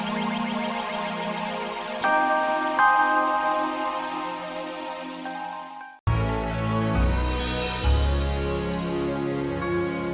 sampai jumpa lagi